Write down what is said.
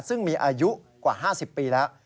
ซึ่งมีอายุกว่า๕๐ปีแล้ว